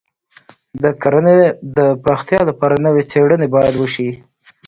د کرنې د پراختیا لپاره نوې څېړنې باید وشي.